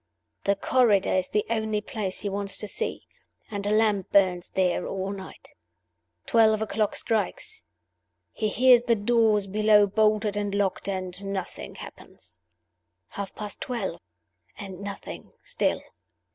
The corridor is the only place he wants to see; and a lamp burns there all night. Twelve o'clock strikes; he hears the doors below bolted and locked, and nothing happens. Half past twelve and nothing still.